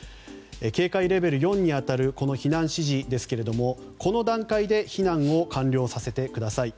警戒レベル４に当たる避難指示ですがこの段階で避難を完了させてください。